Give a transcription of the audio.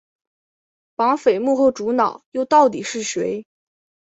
绑匪幕后主脑又到底是谁？